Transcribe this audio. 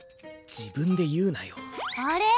自分で言うなよあれ？